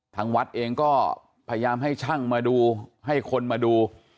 ทางวัดเองก็พยายามให้ช่างมาดูให้คนมาดู